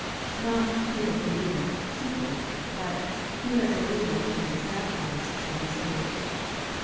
Not "he that believeth" simply, but " he that believeth and is baptized shall be saved."